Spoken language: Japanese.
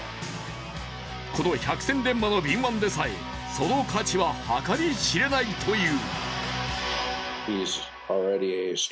この百戦錬磨の敏腕でさえその価値は計り知れないという。